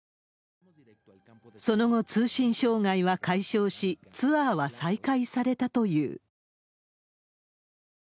その後、通信障害は解消し、ツアーは再開されたという。